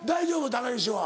高岸は。